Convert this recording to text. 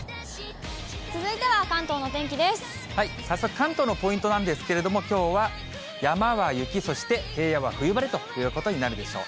早速、関東のポイントなんですけれども、きょうは山は雪、そして平野は冬晴れということになるでしょう。